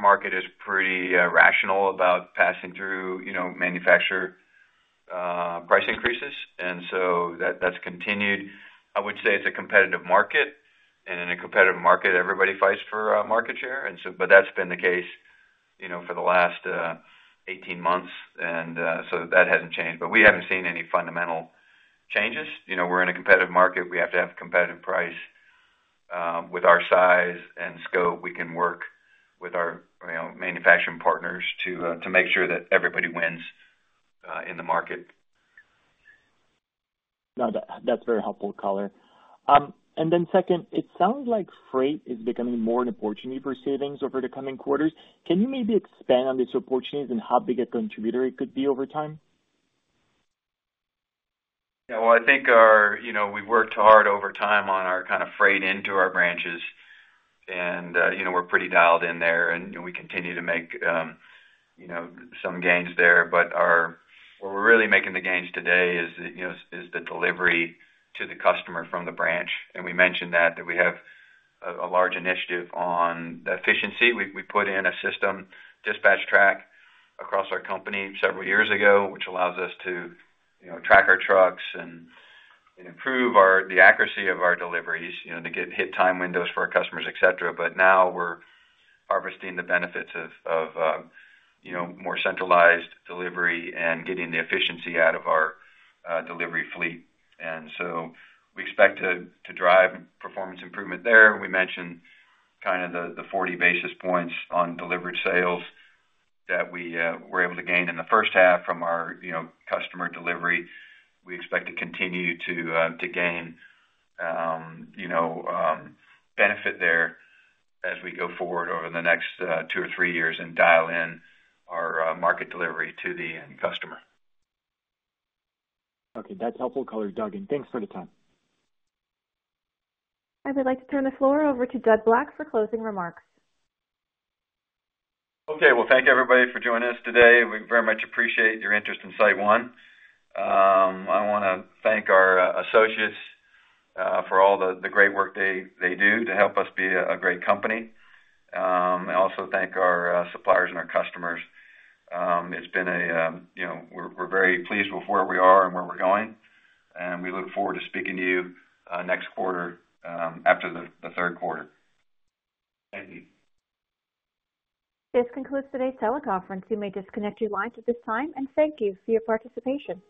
market is pretty rational about passing through manufacturer price increases, and that's continued. I would say it's a competitive market. In a competitive market, everybody fights for market share, and that's been the case for the last 18 months. That hasn't changed. We haven't seen any fundamental changes. We're in a competitive market. We have to have a competitive price. With our size and scope, we can work with our manufacturing partners to make sure that everybody wins in the market. No, that's very helpful color. It sounds like freight is becoming more an opportunity for savings over the coming quarters. Can you maybe expand on this opportunity and how big a contributor it could be over time? I think our, you know, we've worked hard over time on our kind of freight into our branches, and we're pretty dialed in there. We continue to make, you know, some gains there. Where we're really making the gains today is the delivery to the customer from the branch. We mentioned that we have a large initiative on the efficiency. We put in a system, DispatchTrack, across our company several years ago, which allows us to track our trucks and improve the accuracy of our deliveries to get hit time windows for our customers, et cetera. Now we're harvesting the benefits of more centralized delivery and getting the efficiency out of our delivery fleet. We expect to drive performance improvement there. We mentioned the 40 basis points on delivered sales that we were able to gain in the first half from our customer delivery. We expect to continue to gain benefit there as we go forward over the next two or three years and dial in our market delivery to the end customer. Okay, that's helpful color, Doug. Thanks for the time. I would like to turn the floor over to Doug Black for closing remarks. Thank you, everybody, for joining us today. We very much appreciate your interest in SiteOne. I want to thank our associates for all the great work they do to help us be a great company, and also thank our suppliers and our customers. We're very pleased with where we are and where we're going. We look forward to speaking to you next quarter after the third quarter. Thank you. This concludes today's teleconference. You may disconnect your lines at this time, and thank you for your participation.